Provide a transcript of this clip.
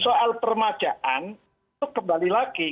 soal permajaan itu kembali lagi